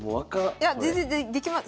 いや全然できます。